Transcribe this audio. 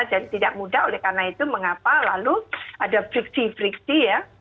dan tidak mudah oleh karena itu mengapa lalu ada friksi friksi ya